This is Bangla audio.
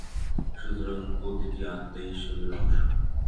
সুতরাং প্রতি আত্মাই ঈশ্বরের অংশ।